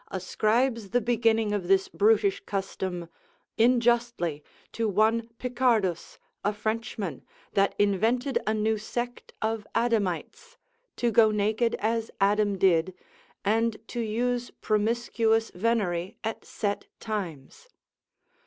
ascribes the beginning of this brutish custom (unjustly) to one Picardus, a Frenchman, that invented a new sect of Adamites, to go naked as Adam did, and to use promiscuous venery at set times.